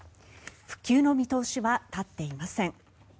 復旧の見通しは立っていません。